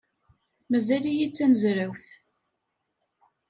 Mazal-iyi d tamezrawt.